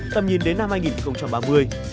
tầm nhìn đến năm hai nghìn ba mươi